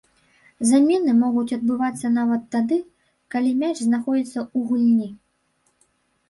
Замены могуць адбывацца нават тады, калі мяч знаходзіцца ў гульні.